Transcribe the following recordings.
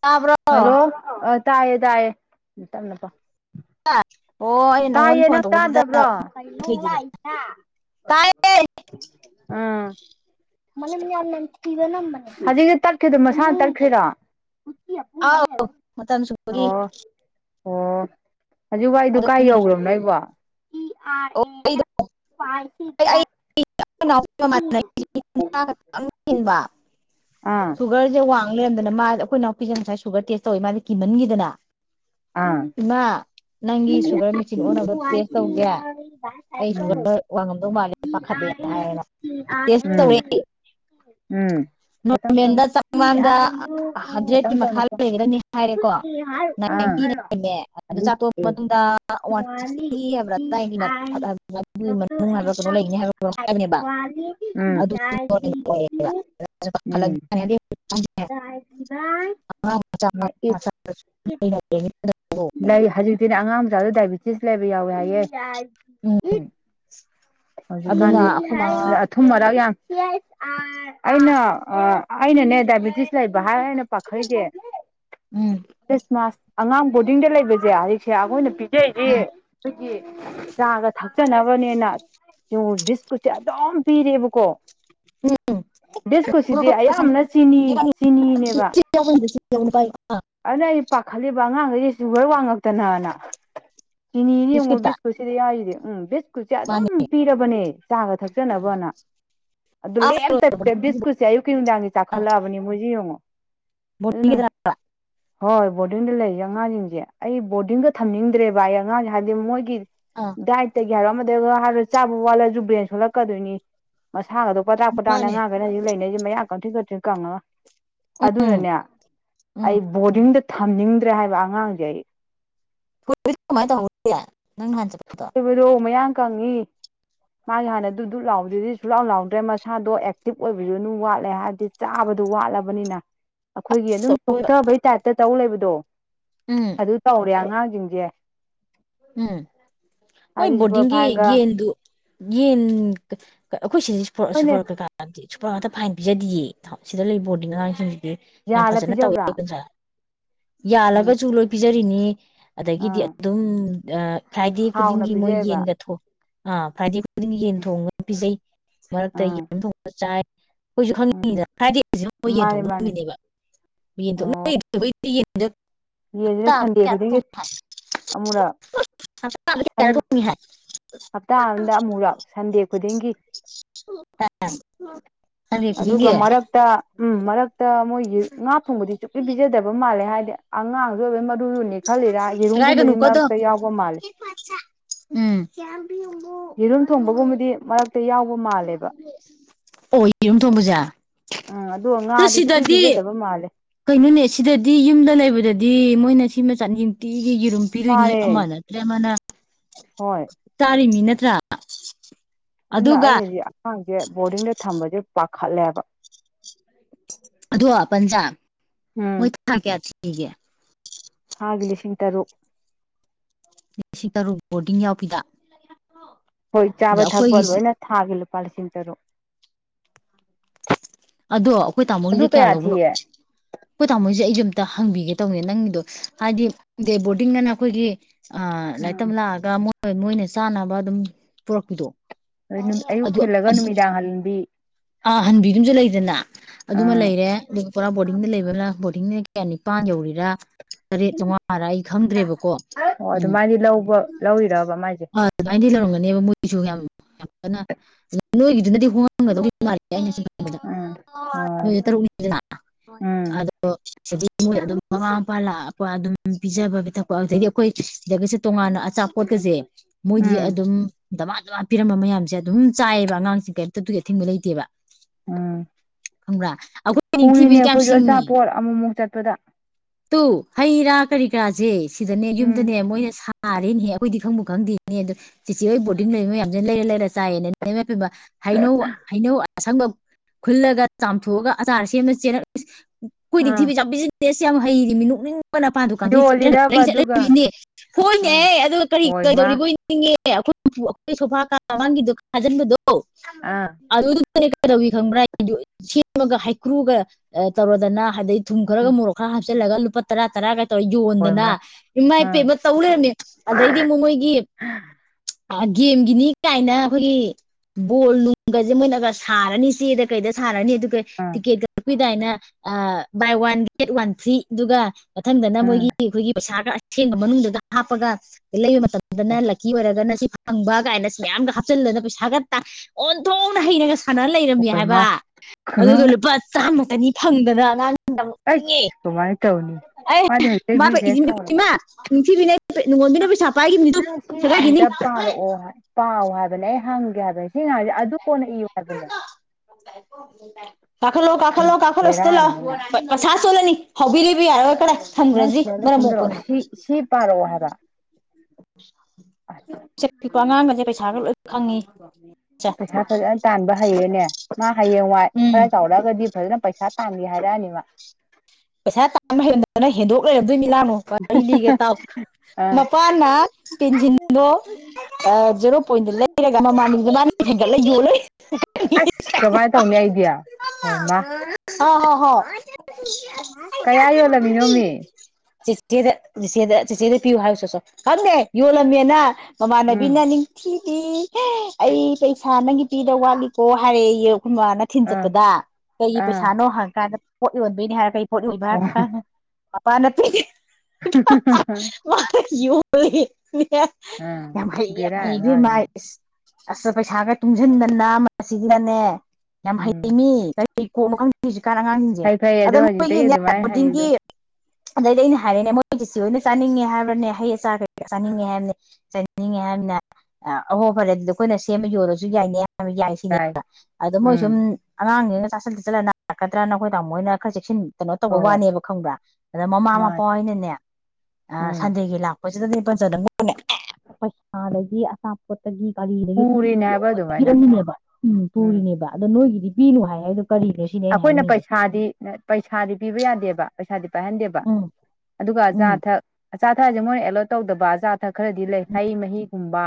ꯇꯥꯕ꯭ꯔꯣ ꯑꯣ ꯍꯜꯂꯣ ꯑ ꯇꯥꯏꯌꯦ ꯇꯥꯏꯌꯦ ꯇꯞꯅ ꯄ ꯑꯣ ꯑꯩ ꯅꯪꯉꯣꯟꯗ ꯐꯣꯟ ꯅꯪ ꯇꯥꯗꯕ꯭ꯔꯣ ꯇꯧꯕꯗꯨꯗꯅꯦ ꯇꯥꯏꯌꯦꯦ ꯑꯥ ꯤ ꯍꯧꯖꯤꯛꯁ ꯇꯠꯈꯦꯗꯣ ꯃꯁꯥꯅ ꯇꯠꯈ꯭ꯔꯦꯔꯣ ꯑꯣ ꯑꯥꯎ ꯃꯇꯝ ꯁꯨꯕꯒꯤ ꯑꯣ ꯍꯧꯖꯤꯛꯐ ꯑꯩꯗꯨ ꯀꯥꯏ ꯑꯗꯨꯒꯤꯅꯦ ꯌꯧꯈ꯭ꯔꯕꯣ ꯏꯕꯣꯥ ꯕ ꯑꯥ ꯁꯨꯒꯔꯁꯦ ꯋꯥꯡ ꯂꯩꯔꯝꯗꯅ ꯃꯥ ꯑꯩꯈꯣꯏ ꯅꯥꯎꯄꯤꯁꯦ ꯉꯁꯥꯏ ꯁꯨꯒꯔ ꯇꯦꯁ ꯇꯧꯋꯏ ꯃꯥꯁꯦ ꯀꯤꯃꯟꯈꯤꯗꯅ ꯑꯥ ꯃꯥ ꯅꯪꯒꯤ ꯁꯨꯒꯔ ꯃꯦꯆꯤꯟ ꯑꯣꯟꯅꯕ ꯇꯦꯁ ꯇꯧꯒꯦ ꯑꯩ ꯁꯨꯒꯔ ꯋꯥꯡꯉꯝꯗꯧ ꯃꯥꯜꯂꯤꯦ ꯄꯈ ꯍꯥꯏꯅꯁ ꯎꯝ ꯎꯝ ꯀ ꯇ ꯆꯥꯡꯃꯥꯡꯗ ꯀ ꯍꯟꯗ꯭ꯔꯦꯗꯀꯤ ꯇꯧꯅꯄ ꯅꯥꯏꯇꯤ ꯁꯦꯝꯃꯦ ꯆꯥꯊꯣꯛ ꯃꯇꯨꯡꯗ ꯋꯥꯟ ꯋꯥꯂꯤ ꯁꯤꯛꯁꯇꯤ ꯍꯥꯏꯕ꯭ꯔꯥ ꯗꯤ ꯑꯗꯨꯏ ꯑꯥꯏ ꯑꯗꯨꯒꯤ ꯗꯕ꯭ꯂꯤꯎ ꯃꯅꯨꯡ ꯍꯥꯏꯕ ꯑꯦ ꯀꯩꯅꯣ ꯑꯦꯜ ꯂꯩꯒꯅꯤ ꯍꯥꯏꯕ ꯑꯥꯏ ꯍꯥꯏꯕꯅꯦꯕ ꯋꯥꯂꯤ ꯎꯝ ꯗꯤ ꯑꯥꯏ ꯑꯗꯨꯕ ꯗꯤ ꯎꯝ ꯏꯠ [inaudible] [inaudible] ꯂꯩ ꯍꯧꯖꯤꯛꯇꯤꯅꯦ ꯑꯉꯥꯡ ꯃꯆꯥꯗ ꯗꯥꯏꯕꯤꯦꯇꯤꯁ ꯂꯩꯕ ꯌꯥꯎꯋꯦ ꯎꯝ ꯍꯥꯏꯌꯦꯦ ꯑꯗꯨꯅ ꯍꯧꯖꯤꯛꯀꯥꯟꯗꯤ ꯑꯩꯈꯣꯏ ꯃꯥ ꯑꯊꯨꯝ ꯃꯔꯛ ꯌꯥꯝ ꯑꯩꯅ ꯑꯩꯅꯅꯦ ꯗꯥꯏꯕꯦꯇꯤꯁ ꯂꯩꯕ ꯍꯥꯏꯅ ꯄꯥꯈꯩꯗꯦ ꯎꯝ ꯈ꯭ꯔꯤꯁꯃꯥꯁ ꯑꯉꯥꯡ ꯕꯣꯔꯗꯤꯡꯗ ꯂꯩꯕꯁꯦ ꯍꯧꯖꯤꯛꯁꯦ ꯑꯩꯈꯣꯏꯅ ꯄꯤꯖꯩꯁꯦ ꯑꯩꯈꯣꯏꯒꯤ ꯆꯥꯒ ꯊꯛꯆꯅꯕꯅꯦꯅ ꯆꯨꯔ ꯕꯤꯁꯀꯨꯠꯁꯦ ꯑꯗꯨꯝ ꯄꯤꯔꯤꯕꯀꯣ ꯕꯤꯁꯀꯨꯠꯁꯤꯗꯤ ꯑꯌꯥꯝꯅ ꯆꯤꯅꯤ ꯆꯤꯅꯤꯅꯦꯕ ꯀꯗꯁꯨ ꯂꯎꯅ ꯄꯥꯏ ꯑꯥ ꯑꯗꯨꯅ ꯑꯩ ꯄꯥꯈꯠꯂꯤꯕ ꯑꯉꯥꯡꯈꯩꯗꯤ ꯁꯨꯒꯔ ꯋꯥꯡꯉꯛꯇꯅꯅ ꯆꯤꯅꯤ ꯌꯦꯡꯉꯣ ꯕꯤꯁꯀꯨꯠ ꯁꯤꯗꯤ ꯌꯥꯎꯔꯤꯗꯤ ꯎꯝ ꯕꯤꯁꯀꯨꯠꯁꯦ ꯑꯗꯨꯝ ꯄꯤꯔꯕꯅꯦ ꯆꯥꯒ ꯊꯛꯆꯅꯕꯅ ꯑꯗꯨ ꯂꯦ ꯆꯠꯄ ꯕꯤꯁꯀꯨꯠꯁꯦ ꯑꯌꯨꯛꯀꯤ ꯅꯨꯡꯗꯥꯡꯒꯤ ꯆꯥꯛꯈꯠꯂꯛꯑꯕꯅꯤ ꯃꯣꯏꯦ ꯌꯦꯡꯉꯣ ꯑꯗꯨꯅ ꯣꯇꯤꯡꯒꯤ ꯍꯣꯏ ꯕꯣꯔꯗꯤꯡꯗ ꯂꯩꯔꯤꯁꯦ ꯑꯉꯥꯡꯁꯤꯡꯁꯦ ꯑꯩ ꯕꯣꯔꯗꯤꯡꯒ ꯊꯝꯅꯤꯡꯗ꯭ꯔꯦꯕ ꯑꯩ ꯑꯉꯥꯡꯁꯦ ꯍꯥꯏꯗꯤ ꯃꯣꯏꯒꯤ ꯎꯝ ꯗꯥꯏꯠꯇꯒꯤ ꯍꯥꯏꯔꯣ ꯑꯃꯗ ꯍꯥꯏꯔꯣ ꯆꯥꯕ ꯋꯥꯠꯂꯁꯨ ꯕ꯭ꯔꯦꯟ ꯁꯣꯂꯛꯀꯗꯣꯏꯅꯤ ꯃꯁꯥꯒꯗꯣ ꯄꯗꯥꯛ ꯄꯇꯥꯛꯅ ꯃꯥꯅꯦ ꯉꯥꯡꯈꯅ ꯍꯧꯖꯤꯛ ꯂꯩꯅꯩꯁꯦ ꯃꯌꯥꯝ ꯀꯛꯊꯤꯤꯟ ꯀꯥꯊꯤꯟ ꯀꯪꯉꯒ ꯎꯝ ꯑꯗꯨꯅꯅꯦ ꯎꯝ ꯑꯩ ꯕꯣꯔꯗꯤꯡꯗ ꯊꯝꯅꯤꯡꯗ꯭ꯔꯦ ꯍꯥꯏꯕ ꯑꯉꯥꯡꯁꯦ ꯑꯩ ꯀꯃꯥꯏ ꯇ ꯅꯪ ꯂꯥꯟꯁꯤꯦꯠꯇꯣ ꯊꯣꯏꯕꯗꯣ ꯃꯌꯥꯝ ꯀꯪꯉꯤ ꯃꯥꯒꯤ ꯍꯥꯟꯅꯗꯨ ꯗꯨꯠ ꯂꯥꯎꯕꯗꯨꯗꯤ ꯁꯨꯛꯂꯥꯎ ꯂꯥꯎꯗ꯭ꯔꯦ ꯃꯁꯥꯗꯣ ꯑꯦꯛꯇꯤꯚ ꯑꯣꯏꯕꯤꯁꯨꯅ ꯋꯥꯠꯂꯦ ꯍꯥꯏꯔꯗꯤ ꯆꯥꯕꯗ ꯋꯥꯠꯂꯕꯅꯤꯅ ꯑꯩꯈꯣꯏꯒꯤ ꯑꯗꯨꯝ ꯊꯣꯛꯣꯛꯊꯕꯩ ꯇꯥꯏꯞꯇ ꯇꯧ ꯂꯩꯕꯗꯣ ꯎꯝ ꯑꯗꯨ ꯇꯧꯔꯦ ꯑꯉꯥꯡꯁꯤꯡꯁꯦ ꯎꯝ ꯃꯣꯏ ꯍꯥꯏꯗꯤ ꯁꯨꯄꯔ ꯕꯣꯔꯗꯤꯡꯒꯤ ꯐꯥꯏꯟꯒ ꯌꯦꯟꯗꯨ ꯌꯦꯟ ꯑꯩꯈꯣꯏ ꯁꯤꯗ ꯄꯣꯔꯛꯑꯁꯨ ꯍꯣꯏꯅꯦ ꯄꯣꯔꯛꯀꯀꯥ ꯁꯨꯄꯔ ꯉꯥꯛꯇ ꯐꯥꯏꯟ ꯄꯤꯖꯗꯌꯦ ꯁꯤꯗ ꯂꯩꯕ ꯕꯣꯔꯗꯤ ꯑꯉꯥꯡꯁꯤꯡꯁꯤꯗꯤ ꯌꯥꯝ ꯌꯥꯜꯂ ꯐꯖꯅ ꯄꯤꯖꯕ꯭ꯔꯥ ꯇꯧꯋꯦ ꯀꯟꯖꯥ ꯎꯝ ꯌꯥꯜꯂꯒꯁꯨ ꯂꯣꯏ ꯄꯤꯖꯔꯤꯅꯤ ꯑꯗꯒꯤꯗꯤ ꯑꯥ ꯑꯗꯨꯝ ꯐ꯭ꯔꯥꯏꯗꯦ ꯍꯥꯎꯅ ꯈꯨꯗꯤꯡꯒꯤ ꯃꯣꯏ ꯄꯤꯖꯩꯑꯕ ꯌꯦꯟꯒꯊ ꯑ ꯐ꯭ꯔꯥꯏꯗꯦ ꯈꯨꯗꯤꯡ ꯌꯦꯟ ꯊꯣꯡꯉꯒ ꯄꯤꯖꯩ ꯃꯔꯛꯇ ꯑꯥ ꯌꯦꯟ ꯊꯣꯡꯕ ꯆꯥꯏ ꯑꯩꯈꯣꯏꯁꯨ ꯎꯝ ꯈꯪꯅꯤꯡꯉꯤꯗꯅ ꯍꯥꯏꯗꯤ ꯃꯥꯅꯦ ꯌꯦꯟꯊꯣꯛꯄ ꯃꯥꯅꯦ ꯅꯨꯃꯤꯅꯦꯕ ꯑꯣ ꯌꯦꯊꯣꯛ [unintelligible] ꯑꯃꯨꯔꯥ ꯍꯟ ꯍꯞꯇꯥ ꯑꯝꯗ ꯑꯃꯨꯔꯛ ꯁꯟꯗꯦ ꯈꯨꯗꯤꯡꯒꯤ ꯍꯥꯏ ꯁꯟꯗꯦ ꯈꯨꯗꯤꯡꯒꯤ ꯑꯗꯨꯒ ꯃꯔꯛꯇ ꯎꯝ ꯃꯔꯛꯇ ꯃꯣꯏꯒꯤ ꯉꯥ ꯊꯣꯡꯕꯗꯤ ꯆꯨꯞ ꯄꯤ ꯄꯤꯖꯗꯕ ꯃꯥꯜꯂꯦ ꯍꯥꯏꯗꯤ ꯑꯉꯥꯡꯁꯨ ꯑꯣꯏ [unintelligible] [unintelligible] ꯈꯜꯂꯤꯔꯥ ꯌꯦꯔꯨꯝ ꯒꯨꯝꯕꯗꯤ ꯁꯦꯒꯥꯏꯒꯅꯨꯀꯣ ꯑꯗꯣ ꯃꯔꯛꯇ ꯌꯥꯎꯕ ꯃꯥꯜꯂꯦ [unintelligible] ꯎꯝ ꯌꯦꯔꯨꯝ ꯊꯣꯡꯕꯒꯨꯝꯕꯗꯤ ꯃꯔꯛꯇ ꯌꯥꯎꯕ [unintelligible] ꯑꯣ ꯌꯦꯔꯨꯝ ꯊꯣꯡꯕꯖꯦ ꯎꯝ ꯑꯗꯨꯒ ꯉꯥꯗꯤ ꯁꯨꯛ ꯄꯤ ꯄꯤꯖꯗꯕ ꯃꯥꯜꯂꯦ ꯀꯩꯅꯣꯅꯦ ꯁꯤꯗꯗꯤ ꯌꯨꯝꯗ ꯂꯩꯕꯗꯗꯤ ꯃꯣꯏꯅ ꯁꯤ ꯃꯆꯥꯠ [unintelligible] ꯇꯤꯒꯤ ꯌꯦꯔꯨꯝ ꯄꯤꯔꯨꯏꯅꯤ ꯃꯥꯅꯦ ꯑꯃ ꯅꯠꯇ꯭ꯔꯦ ꯑꯃꯅ ꯍꯣꯏ ꯇꯥꯔꯤꯝꯅꯤ ꯅꯠꯇ꯭ꯔꯥ ꯑꯗꯨꯅ ꯑꯩ ꯑꯗꯨꯒ ꯒꯖꯤ ꯑꯉꯥꯡꯁꯦ ꯕꯣꯔꯗꯤꯡꯗ ꯊꯝꯕꯁꯦ ꯄꯥꯈꯠꯂꯦꯕꯥ ꯑꯗꯣ ꯄꯟꯖꯥ ꯎꯝ ꯃꯣꯏ ꯊꯥ ꯀꯌꯥ ꯊꯤꯒꯦ ꯊꯥꯒꯤ ꯂꯤꯁꯤꯡ ꯇꯔꯨꯛ [unintelligible] ꯇꯔꯨꯛ ꯕꯣꯔꯗꯤꯡ ꯌꯥꯎꯕꯤꯗ ꯍꯣꯏ ꯆꯥꯕ ꯑꯗ ꯊꯛꯄ ꯑꯩꯈꯣꯏꯒꯤꯁꯤ ꯂꯣꯏꯅ ꯊꯥꯒꯤ ꯂꯨꯄꯥ ꯂꯤꯁꯤꯡ ꯇꯔꯨꯛ ꯑꯗꯣ ꯑꯈꯣꯏ ꯑꯗꯨ ꯇꯥꯃꯣꯒꯤꯁꯦ ꯀꯌꯥ ꯂꯧꯕꯅꯣ ꯊꯤꯌꯦ ꯈꯣꯏ ꯇꯥꯃꯣꯁꯦ ꯑꯩꯁꯨ ꯑꯝꯇ ꯍꯪꯕꯤꯒꯦ ꯇꯧꯕꯅꯦ ꯅꯪꯒꯤꯗꯣ ꯍꯥꯏꯗꯤ ꯗꯦ ꯕꯣꯔꯗꯤꯡꯅ ꯑꯩꯈꯣꯏꯒꯤ ꯑ ꯂꯥꯏꯔꯤꯛ ꯇꯝꯕ ꯎꯝ ꯂꯥꯛ ꯑꯒ ꯃꯣꯏ ꯃꯣꯏꯅ ꯆꯥꯅꯕ ꯗꯨꯝ ꯄꯨꯔꯛꯄꯤꯗꯣ [unintelligible] ꯑꯌꯨꯛ ꯊꯤꯜꯂꯒ ꯅꯨꯃꯤꯗꯥꯡ ꯍꯟꯕꯤ ꯑ ꯍꯟꯕꯤꯗꯨꯝꯁꯨ ꯂꯩꯗꯅ ꯑꯗꯨꯃ ꯑꯥ ꯂꯩꯔꯦ [unintelligible] ꯄꯨꯔꯥ ꯕꯣꯔꯗꯤꯡꯗ ꯂꯩꯕꯅ ꯕꯣꯔꯗꯤꯡꯅ ꯀꯌꯥ ꯅꯤꯄꯥꯟ ꯌꯧꯔꯤꯔꯥ ꯇꯔꯦꯠ ꯆꯝ [unintelligible] ꯔ ꯑꯩ ꯈꯪꯗ꯭ꯔꯦꯕꯀꯣ ꯑꯣ ꯎꯝ ꯑꯗꯨꯃꯥꯏꯗꯤ ꯂꯧꯕ ꯂꯧꯔꯤꯔꯕ ꯃꯥꯏꯁꯦ [unintelligible] ꯑꯗꯨꯃꯥꯏꯅꯗꯤ ꯂꯧꯔꯝꯒꯅꯦꯕ ꯃꯣꯏꯒꯤꯁꯨ ꯌꯥꯝ ꯌꯥꯝ ꯀꯟꯅ ꯅꯣꯏꯒꯤꯗꯨꯅꯗꯤ ꯍꯣꯡꯉꯝꯒꯗꯧ [unintelligible] ꯎꯝ ꯑꯣ [unintelligible] ꯇꯔꯨꯛꯅꯤ ꯎꯝ [unintelligible] ꯃꯣꯏ ꯑꯗꯨꯝ ꯃꯃꯥ ꯃꯄꯥ ꯂꯥꯛꯑꯄ ꯑꯗꯨꯝ ꯄꯤꯖꯕ ꯕꯤꯊꯛꯄ [unintelligible] ꯑꯈꯣꯏ [unintelligible] ꯗꯒꯤꯁꯨ ꯇꯣꯉꯥꯟꯅ ꯑꯆꯥꯄꯣꯠꯀꯁꯦ ꯃꯣꯏꯗꯤ ꯎꯝ ꯑꯗꯨꯝ ꯗꯃꯥ ꯗꯃꯥ ꯄꯤꯔꯝꯕ ꯃꯌꯥꯝꯖꯦ ꯑꯗꯨꯝ ꯆꯥꯏꯌꯦꯕꯥ ꯑꯉꯥꯡꯁꯤ [unintelligible] ꯑꯊꯤꯡꯕ ꯂꯩ ꯇꯦꯕꯥ ꯎꯝ [unintelligible] ꯕ꯭ꯔꯥ ꯑꯈꯣꯏ ꯅꯤꯡꯊꯤ ꯄꯨꯔꯤꯅꯦ [unintelligible] ꯀꯌꯥꯝ ꯑꯩꯈꯣꯏꯁꯨ ꯁꯤꯡꯉꯤ ꯑꯆꯥꯄꯣꯠ ꯑꯃꯨꯛꯃꯨꯛ ꯆꯠꯄꯗ ꯇꯨ ꯍꯩ ꯔꯥ ꯀꯔꯤ ꯀꯔꯥꯁꯦ ꯁꯤꯗꯅꯦ ꯎꯝ ꯌꯨꯝꯗꯅꯦ ꯃꯣꯏꯅ ꯁꯥ [unintelligible] ꯔꯦꯅꯤꯍꯦ ꯑꯩꯈꯣꯏꯗꯤ ꯈꯪꯕꯨ ꯈꯪꯗꯦꯅꯦ ꯗꯣ ꯆꯦꯆꯦ ꯍꯣꯏ ꯕꯣꯔꯗꯤꯡ ꯂꯩꯕ ꯃꯌꯥꯝꯅ ꯂꯩꯔ ꯂꯩꯔ ꯆꯥꯏꯌꯦꯅꯦ ꯍꯩꯅꯧ ꯍꯩꯅꯧ ꯑꯁꯪꯕ ꯈꯨꯜꯂꯒ ꯆꯥꯝꯊꯣ ꯑꯒ ꯑꯆꯥꯔ ꯁꯦꯝꯅ ꯆꯦꯔꯡ [unintelligible] ꯑꯥ ꯅꯤꯡꯊꯤꯕꯤꯁꯦ ꯌꯥꯝ ꯕꯤꯖꯤ ꯅꯦꯁ ꯌꯥꯝ ꯍꯩꯔꯤ [unintelligible] ꯅꯣꯛꯅꯤꯡ [unintelligible] ꯄꯥꯟ ꯗꯨꯀꯥꯟꯗꯒꯤ ꯆꯦꯔꯡꯒ ꯌꯣꯜꯂꯤꯔꯕ ꯂꯩ ꯑꯗꯨꯒ ꯆꯠꯍꯜꯂꯤꯅꯦ ꯍꯣꯜꯅꯦ ꯑꯥ ꯑꯗꯨꯒ ꯀꯔꯤ ꯍꯣꯏ ꯃꯥ ꯀꯩꯗꯧꯔꯤ [unintelligible] ꯏꯪꯉꯦ ꯑꯈꯣꯏ [unintelligible] ꯑꯈꯣꯏ ꯁꯣꯐꯥ [unintelligible] ꯖꯤꯟꯕꯗꯣ ꯑ [unintelligible] ꯍꯩꯀꯔꯨꯒꯥ ꯇꯧꯔꯗꯅ [unintelligible] ꯊꯨꯝ ꯈꯔꯒ ꯎꯝ ꯃꯣꯔꯣꯛ ꯈ꯭ꯔ ꯍꯥꯞꯆꯤꯜꯂꯒ ꯂꯨꯄꯥ ꯇꯔꯥ ꯇꯔꯥꯒ ꯇꯧꯔ ꯍꯣꯏ ꯌꯣꯟꯗꯅ ꯃꯥ ꯏꯃꯥꯏ ꯑꯥ ꯄꯦꯝꯃ ꯇꯧ ꯂꯩꯔꯝꯃꯦ ꯑꯗꯩꯗꯤ ꯃ ꯨꯃꯣꯏꯒꯤ꯫ ꯑ ꯒꯦꯝꯒꯤꯅꯤ ꯀꯥꯏꯅ ꯈꯣꯏꯒꯤ ꯕꯣꯜ ꯅꯨꯡ꯫ ꯨꯒꯁꯦ ꯃꯣꯏꯅꯒ ꯁꯥꯔꯅꯤ ꯆꯦꯗꯥ ꯀꯩꯗ ꯁꯥꯔꯅꯤ ꯑꯗꯨꯒ ꯑꯥ ꯇꯤꯛꯀꯦꯠꯒ ꯗꯥꯏꯅ ꯑ ꯕꯥꯏ ꯋꯟ ꯒꯦꯠ ꯋꯟ ꯊ꯭ꯔꯤ ꯗꯨꯒ ꯃꯊꯪꯗꯅ ꯑꯥ ꯃꯣꯏꯒꯤ꯫ ꯒꯤ ꯄꯩꯁꯥꯒ ꯑꯁꯦꯡꯕ ꯃꯅꯨꯡꯗꯨꯗ ꯍꯥꯞꯄꯒ ꯂꯩꯕ ꯃꯇꯝꯗꯅ ꯂꯛꯀꯤ ꯑꯣꯏꯔꯒꯅ ꯁꯤ꯫ ꯐꯪꯕ ꯀꯥꯏꯅꯁꯨ ꯃꯌꯥꯝꯒ ꯍꯥꯞꯆꯤꯜꯂꯅ ꯄꯩꯁꯥꯒ ꯇꯥꯟ ꯑꯣꯟꯊꯣꯛꯅ ꯍꯩꯅ ꯂꯩꯔꯝꯃꯤ ꯍꯣꯏ ꯍꯥꯏꯕ ꯃꯥ ꯑꯗꯨꯗꯨ ꯂꯨꯄꯥ ꯇꯅꯤ ꯐꯪꯗꯅ ꯑꯉꯥꯡ ꯑꯩꯁ ꯀꯃꯥꯏ ꯇꯧꯅꯤ꯫ ꯃꯥꯗꯤ ꯍꯧꯖꯤꯛꯇꯩ ꯕꯤꯖꯤꯅꯦꯁ ꯍꯧꯔꯕ ꯄꯩꯁꯥ ꯄꯥꯏꯒꯤꯝꯅꯦ ꯇꯨ꯫ ꯅꯪ ꯁꯤ ꯁꯦꯒꯥꯏꯒꯤꯅꯤ꯫ ꯑꯝꯇ ꯄꯥꯔꯛꯑꯣ ꯍꯥꯏ ꯄꯥꯎ ꯍꯥꯏꯕꯅꯦ ꯑꯩ ꯍꯪꯒꯦ ꯍꯥꯏꯕꯅꯦ ꯁꯤ ꯉ ꯍꯥꯏꯁꯦ ꯑꯗꯨ ꯀꯣꯟꯅ ꯏꯌꯨ ꯍꯥꯏꯕꯅꯦ꯫ ꯀꯥꯈ ꯂꯣ ꯀꯥꯈ ꯂꯣ ꯀꯥꯈꯜꯁꯇ ꯂꯑꯣ ꯕꯦꯔꯥꯅꯤꯅ ꯄꯁꯥ ꯆꯣꯜꯂꯅꯤ ꯍꯥꯎꯤ ꯂꯩꯕ ꯌꯥꯔꯔꯣꯏ ꯀꯗꯥꯥꯏ ꯅꯪ ꯁꯤꯗꯩꯗ ꯀꯨꯝꯊꯔꯛꯑꯣ ꯁꯤ ꯁꯤ ꯄꯥꯔꯛꯑꯣ ꯍꯥꯏꯕ ꯆ ꯄꯤꯛꯄ ꯑꯉꯥꯡꯒꯁꯦ ꯄꯩꯁꯥ ꯈꯔ ꯂꯣꯏꯅ ꯈꯪꯉꯤ꯫ ꯄꯩꯁꯥ ꯐꯖꯅ ꯇꯥꯟꯕ ꯍꯩꯌꯦꯅꯦ ꯃꯥ ꯍꯌꯦꯡꯋꯥꯏ ꯎꯝ ꯈꯔ ꯆꯥꯎꯔꯛꯑꯒꯗꯤ ꯐꯖꯅ ꯄꯩꯁꯥ ꯇꯥꯟꯒꯦ ꯍꯥꯏꯔꯑꯅꯤ ꯫ ꯄꯩꯁꯥ ꯇꯥ ꯍꯦꯟꯗꯅ ꯍꯦꯟꯗꯣꯛ ꯂꯩꯔꯝꯗꯣꯏ ꯃꯤ ꯂꯥꯡꯃꯣ ꯀ ꯂꯤꯒꯦ ꯇꯥꯎ ꯑꯥ ꯅꯨꯄꯥꯅ ꯇꯦꯟꯁꯤꯟꯗꯑꯣ꯫ ꯖꯦꯔꯣ ꯄꯣꯏꯟꯗ ꯂꯩꯔꯒ ꯃꯃꯅꯤꯡꯗ ꯃꯥꯦꯟꯒꯠꯂ ꯌꯣꯂꯣꯏ꯫ ꯑꯁ ꯀꯃꯥꯏꯅ ꯇꯧꯅꯤ ꯑꯩꯗꯤ ꯃꯣꯏꯃ ꯑ ꯍ ꯍ- ꯀꯌꯥ ꯌꯣꯜꯂꯝꯃꯤꯅꯣ ꯃꯤ꯫ ꯗꯦ ꯆꯆꯦꯗ ꯆꯤꯆꯦꯗ ꯄꯤꯌꯨ ꯍꯥꯏꯔꯨ ꯆꯁꯨ ꯈꯪꯗꯦ ꯌꯣꯜꯂꯝꯃꯦꯅ ꯎꯝ ꯃꯃꯥꯟꯅꯕꯤꯅ ꯅꯤꯡ ꯁꯤꯗꯤ ꯑꯩ ꯄꯩꯁꯥ ꯅꯪꯒꯤ ꯄꯤꯗ ꯋꯥꯠꯂꯤꯀꯣ ꯍꯥꯏꯔꯛꯦ ꯃꯅꯥ ꯊꯤꯟ ꯑꯥ ꯆꯠꯄꯗ ꯀꯩ ꯑꯥ ꯄꯩꯁꯥꯅꯣ ꯍꯪꯉꯀꯥꯟꯗ ꯄꯣꯠ ꯌꯣꯟꯕꯣꯏꯅꯤ ꯍꯥꯏꯔ ꯀꯩ ꯄꯣꯠ ꯌꯣꯟꯕ ꯑꯣ ꯍꯥꯏꯔ ꯀꯥꯟꯗ ꯑꯄꯥꯅꯠꯇꯤ꯫ [inaudible] ꯃꯥ ꯌꯝ ꯑꯥ ꯌꯥꯝ ꯍꯩ ꯌꯥꯝ ꯕꯦꯔꯥ ꯍꯩꯕꯤ ꯑꯉꯥꯡꯅꯤ ꯃꯥꯥꯕꯦꯝꯃ ꯑꯁ ꯄꯩꯁꯥꯒ ꯇꯨꯡꯁꯤꯟꯗꯅ ꯃꯁꯤꯒꯤꯅꯅꯦ ꯌꯥꯝ ꯎꯝ ꯍꯩꯩ ꯃꯤ ꯀꯔꯤ ꯀꯣꯛ ꯁꯤꯁꯨ ꯀꯅ ꯉꯥꯡꯁꯤꯡꯁꯦ꯫ ꯐꯩ ꯐꯩ ꯑꯗꯣ ꯍꯧꯖꯤꯛꯇꯒꯤ ꯑꯩꯒꯤ ꯑꯗꯨꯃꯥꯏꯅ ꯕꯨꯗꯤꯡꯒꯤ ꯍꯩꯗꯣ ꯑꯗꯩꯗ ꯑꯩꯅ ꯍꯥꯏꯔꯅꯦ ꯃꯣꯏꯁ ꯁꯤ ꯂꯣꯏꯅ ꯆꯥꯅꯤꯡꯉꯦ ꯍꯥꯏꯕ꯭ꯔꯅꯦ ꯍꯩ ꯑꯆꯥ ꯆꯥꯅꯤꯡꯉꯦ ꯍꯥꯏꯕꯅꯤ ꯆꯥꯅꯤꯡꯉꯦ ꯍꯥꯏꯕꯅꯤꯅ ꯑꯍꯣ ꯐꯔꯦ ꯑꯗꯨꯗ ꯑꯩꯈꯣꯏꯅ ꯁꯦꯝꯕ ꯌꯣꯜꯂꯁꯨ ꯌꯥꯏꯅꯤ꯫ ꯌꯥꯏ ꯁꯤꯅꯦꯕ ꯑ ꯃꯣꯏ ꯎꯝ ꯁꯨꯝ ꯑꯉꯥꯡꯅꯤꯅ ꯆꯥꯁꯤꯟ ꯇꯆꯜꯂ ꯅꯥꯔꯛꯀꯗ꯭ꯔꯥ ꯅꯈꯣꯏ ꯇꯥ ꯃꯣꯏ ꯈꯔꯠ ꯆꯦꯛꯁꯤꯟ ꯀꯩꯅꯣ ꯇꯧꯕ ꯍꯣꯏ ꯍꯣꯏ ꯋꯥꯅꯦꯕ ꯈꯪꯕ꯭ꯔꯥ ꯑꯗ ꯃꯃꯥ ꯃꯄꯥ ꯃꯥꯅꯤ ꯍꯣꯏꯅꯅꯦ ꯎꯝ ꯁꯟꯗꯦꯒꯤ ꯂꯥꯛꯄ ꯄꯅꯦ ꯄꯅꯦ ꯄꯩꯁꯥꯩꯗꯤ ꯑꯁꯥ ꯄꯣꯠꯇꯒꯤ ꯒꯥꯔꯤꯗꯒꯤ ꯄꯨꯔꯤꯅꯦ ꯍꯥꯏꯕ ꯂꯣꯏ ꯑꯗꯨꯃꯥꯏꯅ ꯄꯤꯔꯝꯃꯤꯅꯦꯕ ꯎꯝ ꯄꯨꯔꯤꯅꯦꯕ ꯑꯗꯣ ꯅꯣꯏꯒꯤꯗꯤ ꯄꯤꯅꯨ ꯍꯥꯏ ꯑꯗꯣ ꯀꯔꯤ ꯂꯩ꯫ ꯑꯩꯈꯣꯏꯅ ꯄꯩꯁꯥꯗꯤ ꯄꯩꯁꯥꯗꯤ ꯄꯤꯕ ꯌꯥꯗꯦꯕ꯫ ꯄꯩꯁꯥꯗꯤ ꯄꯥꯏꯍꯟꯗꯦꯕ ꯎꯝ ꯑꯗꯨꯒ ꯑꯆꯥ ꯎꯝ ꯑꯊꯛ ꯑꯆꯥ ꯑꯊꯛꯁꯦ ꯃꯣꯏꯅ ꯑꯦꯂꯣꯠ ꯇꯧꯗꯕ ꯑꯆꯥ ꯑꯊꯛ ꯊꯛ ꯈꯔꯗꯤ ꯂꯩ ꯍꯩ ꯃꯍꯤꯒꯨꯝꯕ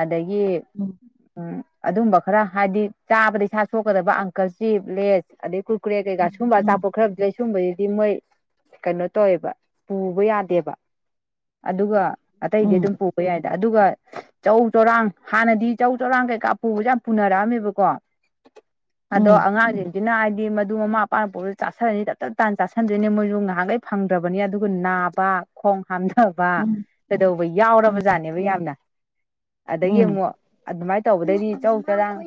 ꯑꯗꯒꯤ ꯎꯝ ꯎꯝ ꯑꯗꯨꯝꯕ ꯈꯔ ꯍꯥꯏꯗꯤ ꯆꯥꯕꯗ ꯏꯁꯥ ꯁꯣꯛꯀꯗꯕ ꯑꯪꯀꯜ ꯆꯤꯞ ꯂꯦꯁ ꯑꯗꯩ ꯀ ꯀꯀ꯭ꯔꯦ ꯀꯩꯀꯥ ꯁꯨꯝꯕ ꯎꯝ ꯑꯆꯥꯄ ꯈꯔꯗꯤ ꯂꯩ꯫꯫ ꯁꯨꯝꯕꯕꯁꯤꯗꯤ ꯃꯣꯏ ꯀꯩꯅꯣ ꯇꯧꯋꯦꯕ ꯄꯨꯕ ꯌꯥꯗꯦꯕ ꯑꯗꯨꯒ ꯑꯇꯩꯗꯤ ꯎꯝ ꯑꯗꯨꯝ ꯄꯨꯕ ꯌꯥꯏꯗ ꯑꯗꯨꯒ ꯆꯧ ꯆꯧꯔꯥꯡ ꯍꯥꯟꯅꯗꯤ ꯆꯧ ꯆꯧꯔꯥꯡ ꯀꯩꯀꯥ ꯄꯨꯕꯁ ꯌꯥꯝ ꯄꯨꯅꯔꯛꯑꯝꯃꯦꯕꯀꯣ [inaudible] ꯑꯗꯣ ꯑꯉꯥꯡꯁꯤꯡꯁꯤꯅ ꯍꯥꯏꯗꯤ ꯃꯗꯨ ꯃꯃꯥ ꯃꯄꯥꯅ ꯄꯨꯔꯩ ꯆꯥꯥꯁꯜꯂꯅꯤ ꯇꯞ ꯇꯞ ꯇꯥꯅ ꯆꯥꯥꯁꯟꯗꯣꯏꯅꯦ ꯃꯣꯏꯁꯨ ꯉꯍꯥꯡꯒꯩ ꯐꯪꯗ꯭ꯔꯕꯅꯤ ꯑꯗꯨꯒ ꯅꯥꯕ ꯈꯣꯡ ꯍꯥꯝꯊꯕ ꯎꯝ ꯀꯩꯗꯧꯕ ꯌꯥꯎꯔꯕꯖꯥꯠꯅꯦꯕ ꯌꯥꯝꯅ ꯑꯗꯒꯤ ꯎꯝ ꯑꯃꯨꯛ ꯑꯗꯨꯃꯥꯏꯅ ꯇꯧꯕꯗꯩꯗꯤ ꯆꯧ ꯆꯔꯥꯡ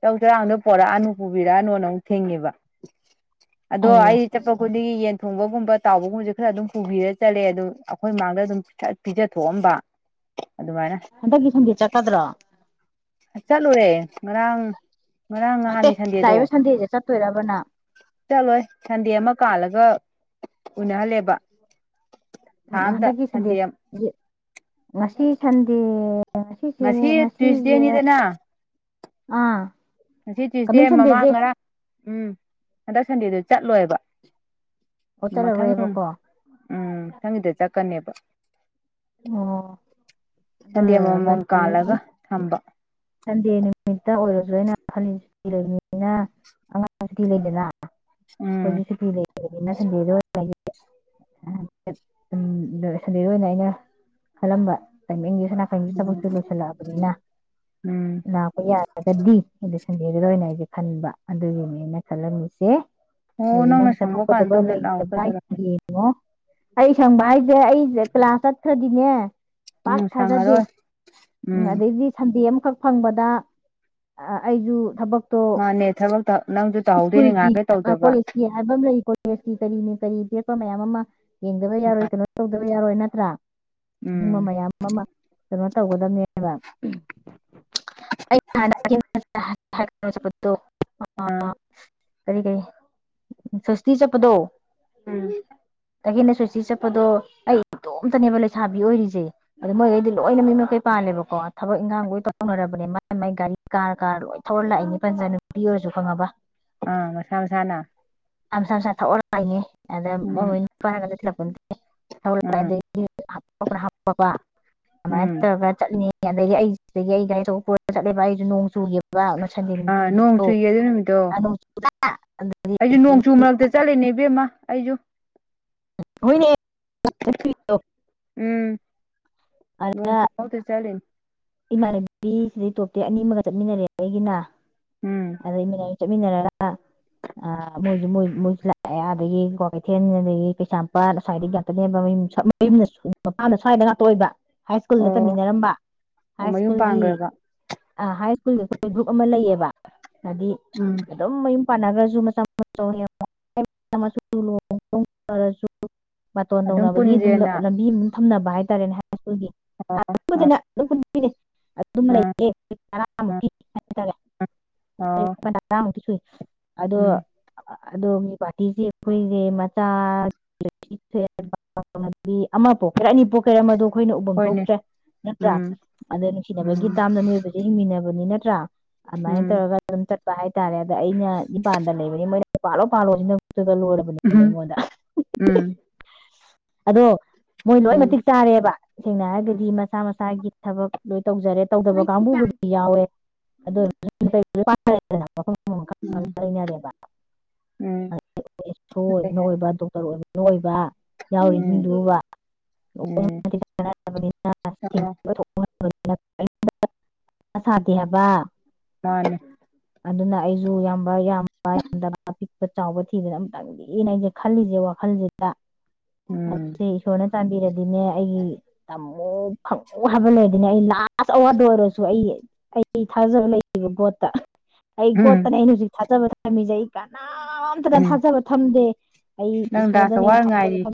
ꯆꯧ ꯆꯔꯥꯡꯗꯣ ꯄꯣꯔꯛꯑꯅꯤ꯫ ꯄꯨꯕꯤꯔꯛꯑꯅꯨꯅ ꯑꯃꯨꯛ ꯊꯤꯡꯉꯤꯕ ꯑꯗꯣ ꯑꯩꯌꯦ ꯑꯩ ꯆꯠꯄ ꯈꯨꯗꯤꯡꯒꯤ ꯌꯦꯟ ꯊꯣꯡꯕꯒꯨꯝꯕ ꯇꯥꯎꯕꯒꯨꯝꯕꯁꯦ ꯈꯔ ꯑꯗꯨꯝ ꯄꯨꯕꯤꯔ ꯆꯠꯂꯦ ꯑꯗꯨꯝ ꯑꯩꯈꯣꯏ ꯃꯃꯥꯡꯗ ꯑꯗꯨꯝ ꯄꯤꯖꯊꯣꯛꯑꯝꯕ ꯑꯗꯨꯃꯥꯏꯅ꯫ ꯍꯟꯗꯛꯀꯤ ꯁꯟꯗꯦ ꯆꯠꯀꯗ꯭ꯔꯣ꯫ ꯆꯠꯂꯨꯔꯦ ꯉꯔꯥꯡ ꯉꯔꯥꯡ ꯉꯍꯥꯟ ꯅꯠꯇꯦ ꯂꯥꯛꯏꯕ ꯁꯟꯗꯦꯁꯦ ꯆꯠꯇꯣꯏꯔꯕ ꯅ꯫ ꯆꯠꯂꯣꯏ ꯁꯟꯗꯦ ꯑꯃ ꯀꯥꯜꯂꯒ ꯎꯅꯍꯜꯂꯦꯕ꯫ ꯊꯥ ꯎꯝ ꯑꯝꯗ ꯍꯟꯗꯛꯀꯤ ꯁꯟꯗꯦ ꯒꯤ ꯉꯁꯤ ꯁꯟꯗꯦ ꯉꯁꯤꯁꯦ ꯉꯁꯤ ꯉꯁꯤꯁꯦ ꯇ꯭ꯋꯏꯁꯗꯦꯅꯤꯗꯅ ꯑꯥ ꯉꯁꯤ ꯀꯃꯤꯡ ꯇ꯭ꯌꯨꯁꯗꯦ ꯃꯃꯥꯡ ꯁꯟꯗꯦꯁꯦ ꯉꯔꯥ ꯎꯝ ꯍꯟꯗꯛ ꯁꯟꯗꯦꯗꯨ ꯆꯠꯂꯣꯏꯕ꯫ ꯑꯣ ꯒꯤ ꯃꯊꯪ ꯎꯝ ꯆꯠꯂꯔꯣꯏꯕꯀꯣ ꯑꯣ ꯃꯊꯪꯒꯤꯗ ꯆꯠꯀꯅꯦꯕ꯫ ꯑꯗꯨ ꯁꯟꯗꯦ ꯑꯃꯃꯝ ꯑꯣꯏꯔꯒꯗꯤ ꯀꯥꯜꯂꯒ ꯊꯝꯕ꯫ ꯁꯟꯗꯦ ꯅꯨꯃꯤꯠꯇ ꯑꯣꯏꯔꯁꯨ ꯑꯩꯅ [inaudible] ꯂꯩꯕꯅꯤꯅ ꯑꯉꯥꯡ ꯁꯨꯇꯤ ꯂꯩꯗꯅ꯫ ꯎꯝ [inaudible] ꯎ ꯁꯟꯗꯦꯗ ꯑꯣꯏꯅ ꯑꯩꯅ ꯈꯜꯂꯝꯕ ꯇꯥꯏꯃꯤꯡꯁ [inaudible] ꯊꯕꯛꯁꯨ ꯂꯣꯏꯁꯤꯜꯂꯛꯑꯕꯅꯤꯅ꯫ ꯎꯝ ꯂꯥꯛꯄ ꯌꯥꯔꯒꯗꯤ ꯑꯗ ꯁꯟꯗꯦꯗꯨꯗ ꯑꯣꯏꯅ ꯑꯩꯁꯦ ꯈꯟꯕ ꯑꯗꯨꯒꯤꯅꯦ ꯑꯩꯅ ꯈꯜꯂꯝꯃꯤꯁꯦ꯫ ꯑꯣ ꯑꯗꯨꯗꯤ ꯅꯪꯅ ꯅꯪ ꯁꯪꯕ ꯀꯥꯟꯗ ꯆꯠꯊꯣꯛꯀꯗꯕ ꯑꯗꯨꯝ ꯍꯦꯛ ꯂꯥꯛꯑꯣ ꯂꯩꯇꯕꯥꯏ ꯀꯩꯗꯧꯔꯒꯦ ꯌꯦ꯫ ꯑꯣ ꯑꯩ ꯁꯪꯕ ꯍꯥꯏꯁꯦ ꯑꯩꯁꯦ ꯀ꯭ꯂꯥꯁ ꯆꯠꯈ꯭ꯔꯗꯤꯅꯦ ꯄꯥꯛ ꯎꯝ ꯊꯥꯖꯗꯦ꯫ ꯁꯪꯉꯔꯣꯏ ꯎ ꯎꯝ ꯑꯗꯩꯗꯤ ꯁꯟꯗꯦ ꯑꯃꯈꯛ ꯐꯪꯕꯗ ꯑꯩꯁꯨ ꯊꯕꯛ ꯃꯥꯅꯦ ꯊꯕꯛꯇ ꯅꯪꯁꯨ ꯇꯧꯍꯧꯗꯣꯏꯅꯤ ꯉꯥꯏꯍꯥꯛ ꯀꯩ ꯇꯧꯗꯕ꯫ ꯅꯤ ꯍꯥꯏꯕ ꯑꯃ ꯂꯩ ꯀꯣꯂꯦꯖ ꯀꯔꯤꯅꯤ ꯀꯔꯤ ꯄꯦꯄ ꯃꯌꯥꯝ ꯑꯃ ꯌꯦꯡꯗꯕ ꯌꯥꯔꯣꯏ ꯀꯩꯅꯣ꯫ ꯇꯧꯗꯕ ꯌꯥꯔꯣꯏ ꯅꯠꯇ꯭ꯔꯥ ꯎꯝ ꯑꯗꯨꯕ ꯃꯌꯥꯝ ꯑꯃ ꯀꯩꯅꯣ ꯇꯧꯒ [inaudible] ꯑꯥ [inaudible] ꯎꯝ꯫ ꯇꯒꯅ ꯁꯣꯏꯆ ꯆꯠꯄꯗꯣ ꯑꯩ ꯏꯇꯣꯝꯇꯅꯦꯕ ꯂꯩꯁꯥꯕꯤ ꯑꯣꯏꯔꯤꯁꯦ꯫ ꯑꯗ ꯃꯣꯏꯈꯩꯗꯤ ꯂꯣꯏꯅ ꯃꯤꯃꯩ ꯄꯥꯜꯂꯦꯕꯀꯣ ꯊꯕꯛ ꯏꯪꯈꯥꯡ ꯂꯣꯏ ꯇꯧꯅꯔꯕꯅꯦ ꯃꯥꯏ ꯃꯥꯏ ꯒꯥꯔꯤ ꯀꯥꯔ ꯀꯥꯔ ꯂꯣꯏ ꯊꯧꯔꯂꯥꯛꯏꯅꯤ ꯄꯟꯖ ꯕꯤ ꯑꯣꯏꯔꯁꯨ ꯈꯪꯉꯕ꯫ ꯑꯥ ꯃꯁꯥ ꯃꯁꯥꯅ꯫ ꯑ ꯃꯁꯥ ꯃꯁꯥ ꯊꯧꯔ ꯂꯥꯛꯏꯅꯤ ꯑꯗ ꯎꯝ ꯃꯃꯣꯏ ꯅꯨꯄꯥ꯫ ꯎꯝ ꯎꯝ [inaudible] [inaudible] [inaudible] ꯑꯥ ꯅꯣꯡ ꯆꯨꯏꯌꯦ ꯑꯗꯨ ꯅꯨꯃꯤꯠꯇꯣ [inaudible] ꯑꯩꯁꯨ ꯅꯣꯡꯆꯨ ꯃꯔꯛꯇ ꯆꯠꯂꯤꯅꯦ ꯏꯕꯦꯝꯃ ꯑꯩꯁꯨ꯫ [inaudible] ꯈꫭꯡꯁꯨ ꯆꯠꯂꯤꯅꯤ꯫ ꯏꯃꯥꯟꯅꯕꯤꯁꯤꯗꯩ ꯇꯣꯞꯇꯤ ꯑꯅꯤꯃꯒ ꯆꯠꯃꯤꯟꯅꯔꯦ ꯑꯩꯒꯤꯅ ꯎꯝ ꯑꯗ ꯆꯠꯃꯤꯟꯅꯔꯒ [inaudible] ꯃꯌꯨꯝꯅ [inaudible] ꯃꯄꯥꯟꯗ ꯁ꯭ꯋꯥꯏꯗ ꯉꯥꯛꯇ ꯑꯣꯏꯕ ꯍꯥꯏ ꯁ꯭ꯀꯨꯜꯗ ꯑꯣ ꯇꯝꯃꯤꯟꯅꯔꯝꯕ꯫ ꯑꯣ ꯍꯥꯏ ꯃꯌꯨꯝ ꯁ꯭ꯀꯨꯜꯒꯤ ꯄꯥꯟꯈ꯭ꯔꯕ ꯑ ꯍꯥꯏ ꯁ꯭ꯀꯨꯜꯒꯤ ꯑꯩꯈꯣꯏ ꯒ꯭ꯔꯨꯞ ꯑꯃ ꯂꯩꯌꯦꯕ ꯍꯥꯏꯗꯤ ꯎꯝ꯫ ꯑꯗꯨꯝ ꯃꯌꯨꯝ ꯄꯥꯟꯅꯈ꯭ꯔꯁꯨ [inaudible] ꯑꯣꯏꯔꯁꯨ ꯃꯡꯕꯥꯔꯇꯣꯟ ꯇꯧꯅꯕꯒꯤ ꯑꯗꯨꯝ ꯂꯝꯕꯤ ꯑꯃ ꯑꯗꯨꯝ ꯊꯝꯅꯕ ꯍꯥꯏꯇꯥꯔꯦꯅꯦ ꯍꯥꯏ ꯁ꯭ꯀꯨꯜꯒꯤ꯫ ꯑꯣ ꯑ [unintelligible] ꯑꯗꯨꯝ ꯂꯩꯌ‌ꯦ ꯑ ꯇꯔꯥꯃꯨꯛꯀꯤ ꯍꯥꯏꯇꯥꯔꯦ ꯑꯣ [unintelligible] ꯇꯔꯥꯃꯨꯛꯇꯤ ꯁꯨꯏ ꯑꯗꯣ ꯎꯝ ꯑꯗꯣꯝꯒꯤꯄꯥꯥꯔꯇꯤꯁꯦ ꯑꯩꯈꯣꯏꯌ‌ꯦ ꯃꯆꯥ [unintelligible] ꯑꯃꯇ‌ꯣ ꯀꯔ ꯑꯅꯤꯄꯣꯛ ꯀꯩꯔ ꯃꯗꯣ ꯑꯩꯈꯣꯏꯅ ꯎꯕꯪ ꯍꯣꯏꯅꯦ ꯊꯣꯛꯇ꯭ꯔꯦ ꯅꯠꯇ꯭ꯔꯥ ꯎꯝ ꯑꯗꯣ ꯅꯨꯡꯁꯤꯅꯕꯒꯤ ꯎꯝ ꯇꯥꯝꯗ ꯃꯤꯑꯣꯏꯕꯁꯤ ꯍꯤꯡꯃꯤꯟꯅꯕꯅꯤ ꯅꯠꯇ꯭ꯔꯥ ꯑꯗꯨꯃꯥꯏꯅ ꯎꯝ ꯇꯧꯔꯒ ꯑꯗꯨꯝ ꯆꯠꯄ ꯍꯥꯏꯇꯥꯔꯦ ꯑꯗ ꯑꯩꯅ ꯅꯤꯄꯥꯟꯗ ꯂꯩꯕꯅꯤ ꯃ ꯄꯥꯂꯣ ꯄꯜꯣ ꯏꯅ ꯑꯃꯨꯛꯇ‌ꯣꯏꯕ ꯂ‌ꯣꯏꯔꯕ ꯎꯍꯨꯝ ꯎꯝ ꯑꯗꯣ ꯃꯣꯏ ꯂꯣꯏ ꯎꯝ ꯃꯇꯤꯛ ꯆꯥꯔꯦꯕ ꯁꯦꯡꯅ ꯍꯥꯏꯔꯒꯗꯤ ꯃꯁꯥ ꯃꯁꯥꯒꯤ ꯊꯕꯛ ꯂꯣꯏ ꯇꯧꯖꯔꯦ ꯇꯧꯗꯕ ꯀꯥꯡꯕꯨꯕꯨꯗꯤ ꯌꯥꯎꯋꯦ ꯑꯗꯨ [unintelligible] ꯑꯦꯁ ꯑꯣ ꯀꯩ ꯑꯣꯏꯕꯅ ꯍꯥꯏ ꯑꯣꯏꯕ ꯗꯣꯛꯇꯔ ꯑꯣꯏꯕꯅ ꯑꯣꯏꯕ ꯎꯝ ꯌꯥꯎꯔꯤꯁꯤꯡꯗꯨꯕ ꯎꯝ ꯑꯣ [unintelligible] [unintelligible] ꯁꯥꯗꯦ ꯍꯥꯏꯕ ꯃꯥꯅꯦ ꯑꯗꯨꯅ ꯑꯩꯁꯨ ꯌꯥꯝꯕ ꯌꯥꯝꯌꯥꯝꯕ ꯌꯥꯝꯗꯕ ꯆꯥꯎꯕ ꯊꯤꯗꯅ ꯑꯃꯝꯇꯪꯗꯤꯅ ꯑꯩꯁꯦ ꯈꯜꯂꯤꯁꯦ ꯋꯥꯈꯜꯁꯤꯗ ꯎꯝ ꯏꯁꯣꯔꯅ ꯆꯥꯟꯕꯤꯔꯗꯤꯅꯦ ꯑꯩꯒꯤ ꯇꯝꯃꯨ ꯐꯪꯉꯨ ꯍꯥꯏꯕ ꯂꯩꯔꯗꯤꯅꯦ ꯑꯩ ꯂ ꯑꯁ ꯑꯋꯥꯗ ꯑꯣꯏꯔꯁꯨ ꯑꯩ ꯑꯩ ꯊꯥꯖꯕ ꯂꯩꯌꯦꯕ ꯕꯣꯠꯇ ꯑꯩ ꯎꯝ ꯒꯣꯠꯇꯅꯦ ꯑꯩꯅ ꯍꯧꯖꯤꯛ ꯊꯥꯖꯕ ꯊꯝꯃꯤꯖꯩ ꯑꯩ ꯀꯟꯥꯝ ꯑꯝꯇꯇ ꯎꯝ ꯊꯥꯖꯕ ꯊꯝꯗꯦ ꯑꯩ ꯅꯪ ꯗꯥ ꯏꯁꯣꯔꯗꯅꯦꯅ ꯑꯩ ꯁꯋꯥꯔ ꯊꯥꯖꯕ ꯉꯥꯏꯔꯤ ꯊ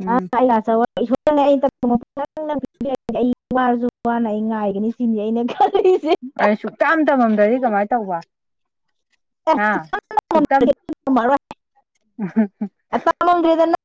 [unintelligible] ꯎꯝ [unintelligible] ꯑꯩ ꯋꯥꯔꯁꯨ ꯋꯥꯅ ꯑꯩ ꯉꯥꯏꯒꯅꯤ ꯁꯤꯅꯤ ꯑꯩꯅ ꯈ [unintelligible] ꯑꯩ ꯁꯨꯛꯛꯇꯝ ꯇꯝꯃꯝꯗ꯭ꯔꯗꯤ ꯀꯃꯥꯏꯅ ꯇꯧꯕ ꯑꯥ ꯁꯨꯨꯞꯇꯝ ꯇꯝꯃꯝꯗꯔꯦꯗꯅ